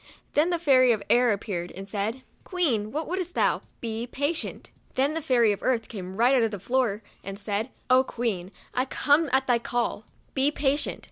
Then the Fairy of Air appeared, and said, " Queen, what would'st thou \"" Be patient." 60 MEMOIRS OF A Then the Fairy of Earth came right out of the floor, and said, " O Queen, I come at thy call." " Be patient."